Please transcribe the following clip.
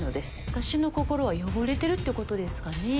私の心は汚れてるってことですかね。